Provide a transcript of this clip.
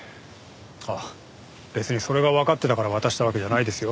あっ別にそれがわかってたから渡したわけじゃないですよ。